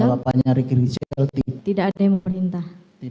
jawabannya riki rizal tidak ada yang memperintah